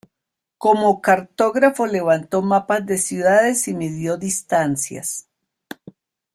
Como cartógrafo levantó mapas de ciudades y midió distancias.